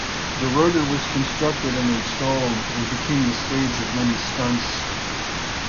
The Rotor was constructed and installed, and became the stage of many stunts.